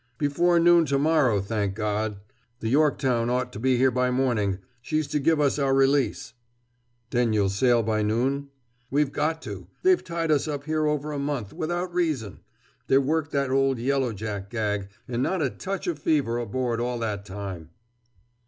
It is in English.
"Before noon to morrow, thank God! The Yorktown ought to be here by morning—she's to give us our release!" "Then you'll sail by noon?" "We've got to! They've tied us up here over a month, without reason. They worked that old yellow jack gag—and not a touch of fever aboard all that time!"